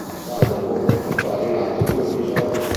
Thunderbolt comparve in altri due episodi.